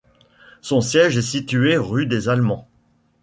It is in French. Son siège était situé rue des Allemands.